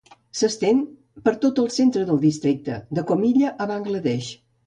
S'estén per tot el centre del districte, de Comilla a Bangladesh.